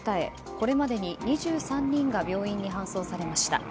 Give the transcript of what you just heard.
これまでに２３人が病院に搬送されました。